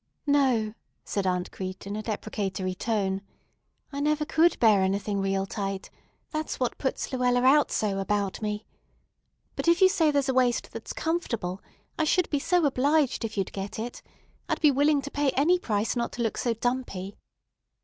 "No," said Aunt Crete in a deprecatory tone, "I never could bear anything real tight. That's what puts Luella out so about me. But, if you say there's a waist that's comfortable, I should be so obliged if you'd get it. I'd be willing to pay any price not to look so dumpy."